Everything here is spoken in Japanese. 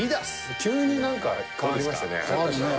急になんか変わりましたね。